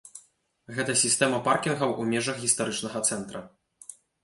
Гэта сістэма паркінгаў у межах гістарычнага цэнтра.